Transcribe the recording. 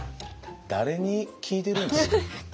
誰に聞いてるんですか？